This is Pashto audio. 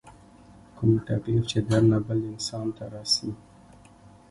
کوم تکليف چې درنه بل انسان ته رسي